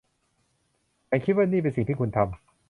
ฉันคิดว่านี่เป็นสิ่งที่คุณทำ